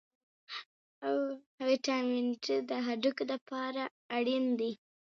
ویټامن ډي د هډوکو لپاره اړین دی.